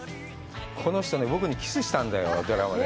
この人ね、僕にキスしたんだよ、ドラマで。